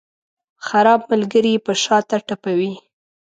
خراب ملګري یې په شاته ټپوي.